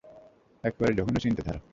একেবারে জঘন্য চিন্তাধারা।